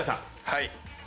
はい。